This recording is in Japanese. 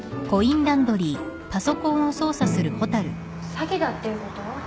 詐欺だっていうこと？